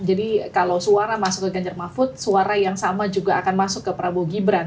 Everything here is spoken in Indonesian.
kalau suara masuk ke ganjar mahfud suara yang sama juga akan masuk ke prabowo gibran